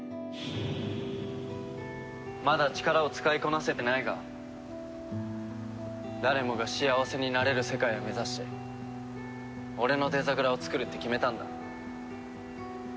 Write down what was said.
まだ力を使いこなせてないが誰もが幸せになれる世界を目指して俺のデザグラをつくるって決めたんだ。